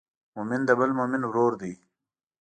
مؤمن د بل مؤمن ورور دی.